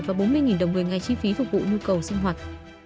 và bốn mươi đồng một ngày chi phí phục vụ nhu cầu sinh hoạt